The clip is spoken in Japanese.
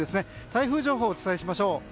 台風情報をお伝えしましょう。